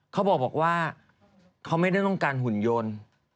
เขาบอกว่าเขาไม่ได้ต้องการหุ่นยนต์